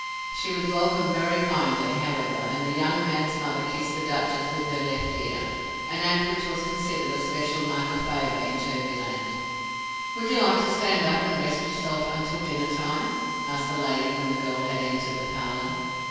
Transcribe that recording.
She was welcomed very kindly, however, and the young man's mother kissed the Duchess with her left ear, an act which was considered a special mark of favor in Turvyland, "Would you like to stand up and rest yourself until dinner time?" asked the lady when the girl had entered the parlor.